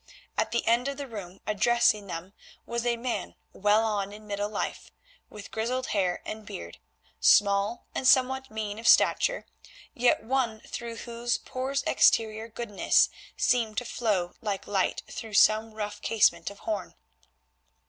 At the end of the room addressing them was a man well on in middle life, with grizzled hair and beard, small and somewhat mean of stature, yet one through whose poor exterior goodness seemed to flow like light through some rough casement of horn.